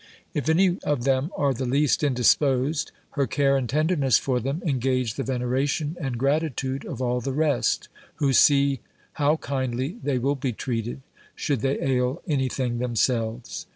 If any of them are the least indisposed, her care and tenderness for them engage the veneration and gratitude of all the rest, who see how kindly they will be treated, should they ail any thing themselves.